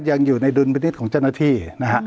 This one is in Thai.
ยังอยู่ในดุลพินิษฐ์ของเจ้าหน้าที่นะฮะ